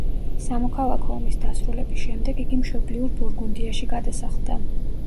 სამოქალაქო ომის დასრულების შემდეგ იგი მშობლიურ ბურგუნდიაში გადასახლდა.